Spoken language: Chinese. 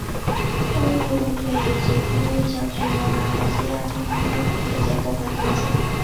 公立中学以及公立小学由马来西亚中央政府直接拨款赞助。